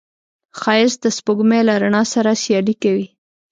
ښایست د سپوږمۍ له رڼا سره سیالي کوي